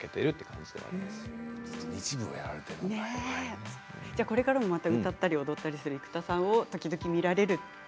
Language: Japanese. じゃあこれからも歌ったり踊ったりする生田さんも時々見られる？